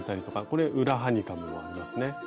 これ裏ハニカムもありますね。